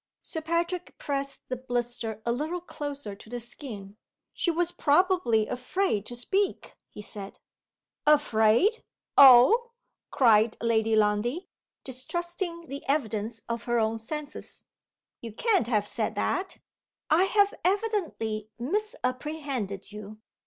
Sir Patrick pressed the blister a little closer to the skin. "She was probably afraid to speak," he said. "Afraid? Oh!" cried Lady Lundie, distrusting the evidence of her own senses. "You can't have said that? I have evidently misapprehended you.